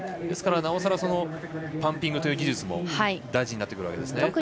ですから、なおさらパンピングという技術も大事になってくるんですね。